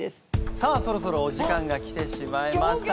さあそろそろお時間が来てしまいました。